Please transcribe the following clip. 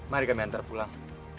mari kami hantar pulang